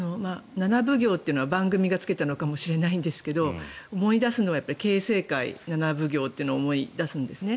７奉行というのは番組がつけたのかもしれないですが思い出すのは経世会７奉行というのを思い出すんですね。